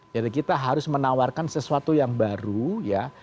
kita harus menawarkan sesuatu yang baru ya